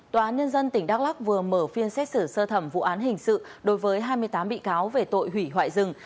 tòa án nhân dân tỉnh đắk lắc vừa mở phiên xét xử sơ thẩm vụ án hình sự đối với hai mươi tám bị cáo về tội hủy hoại rừng